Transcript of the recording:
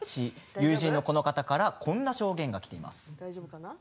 友人のこの方からこんな証言がきています。